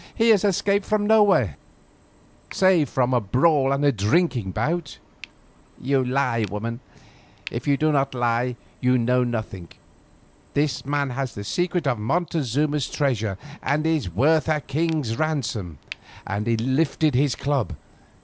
"He has escaped from nowhere, save from a brawl and a drinking bout." "You lie, woman, or if you do not lie, you know nothing. This man has the secret of Montezuma's treasure, and is worth a king's ransom," and he lifted his club.